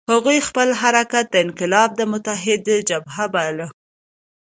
هغوی خپل حرکت د انقلاب متحده جبهه باله.